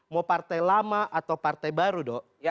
mau partai lama atau partai baru dok